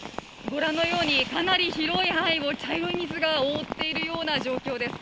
ご覧のようにかなり広い範囲を茶色い水が覆っているような状況です。